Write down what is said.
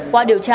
qua điều tra